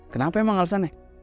kenapa emang alasannya